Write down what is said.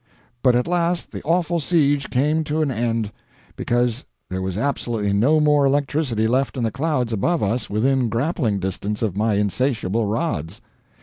But at last the awful siege came to an end because there was absolutely no more electricity left in the clouds above us within grappling distance of my insatiable rods.